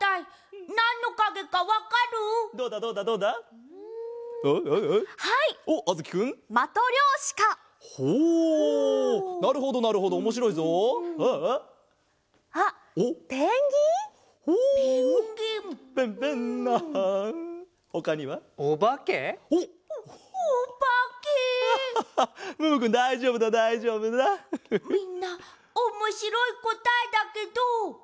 みんなおもしろいこたえだけどハズレット！